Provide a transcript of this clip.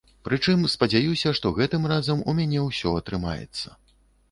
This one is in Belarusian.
Прычым, спадзяюся, што гэтым разам у мяне ўсё атрымаецца.